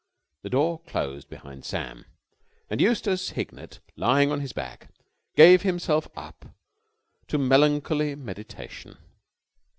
The door closed behind Sam, and Eustace Hignett, lying on his back, gave himself up to melancholy meditation.